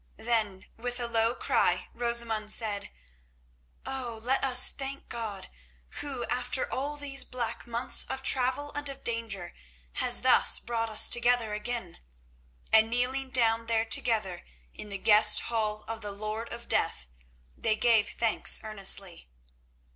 Then with a low cry Rosamund said: "Oh! let us thank God, Who, after all these black months of travel and of danger, has thus brought us together again," and, kneeling down there together in the guest hall of the lord of Death, they gave thanks earnestly.